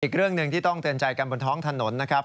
อีกเรื่องหนึ่งที่ต้องเตือนใจกันบนท้องถนนนะครับ